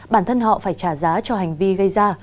bản thân họ phải trả giá cho hành vi gây ra